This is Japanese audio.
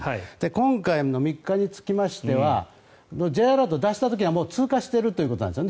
今回の３日につきましてはＪアラートを出した時にはもう通過してるということです